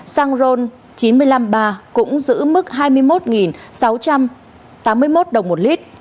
xăng ron chín trăm năm mươi ba cũng giữ mức hai mươi một sáu trăm tám mươi một đồng một lít